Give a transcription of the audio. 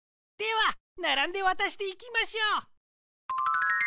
ではならんでわたしていきましょう。